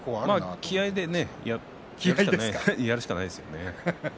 気合いでやるしかないですよね。